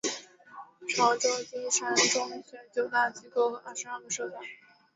潮州金山中学九大机构和二十二个社团。